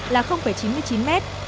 là chín mươi chín mét